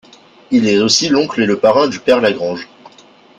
Il est aussi l'oncle et le parrain du Père Lagrange.